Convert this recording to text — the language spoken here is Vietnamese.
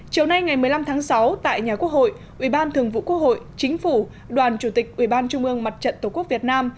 chiều nay ngày một mươi năm tháng sáu tại nhà quốc hội ubnd chính phủ đoàn chủ tịch ubnd tổ quốc việt nam